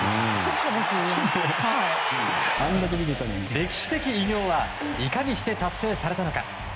歴史的偉業はいかにして達成されたのか。